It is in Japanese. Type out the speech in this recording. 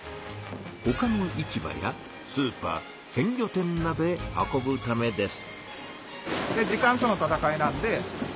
ほかの市場やスーパー鮮魚店などへ運ぶためです。